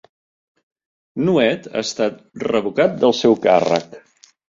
Nuet ha estat revocat del seu càrrec